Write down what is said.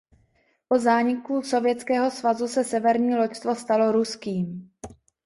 Po zániku Sovětského svazu se Severní loďstvo stalo ruským.